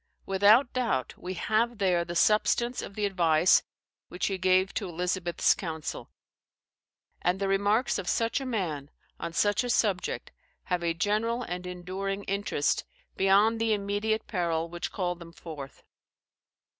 Without doubt, we have there the substance of the advice which he gave to Elizabeth's council; and the remarks of such a man, on such a subject, have a general and enduring interest, beyond the immediate peril which called them forth.